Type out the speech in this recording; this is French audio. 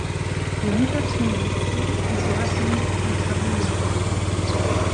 Le métal fondu coule et se rassemble sous le charbon de bois.